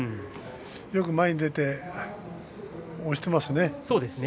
よく前に出て押していますね。